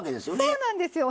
そうなんですよ。